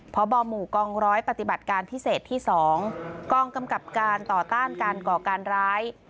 พบหมู่กองร้อยปฏิบัติการพิเศษที่๒กองกำกับการต่อต้านการก่อการร้าย